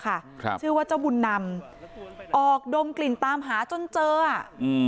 ครับชื่อว่าเจ้าบุญนำออกดมกลิ่นตามหาจนเจออ่ะอืม